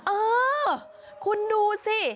เออคุณดูสิ